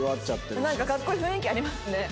なんかかっこいい雰囲気ありますね。